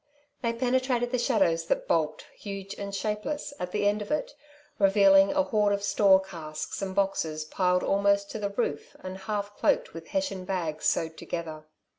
They penetrated the shadows that bulked, huge and shapeless, at the end of it, revealing a hoard of store casks and boxes piled almost to the roof and half cloaked with hessian bags sewed together.